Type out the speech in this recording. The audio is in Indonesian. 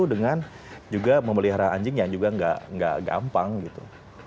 dengan juga memelihara anjing yang juga nggak gampang gitu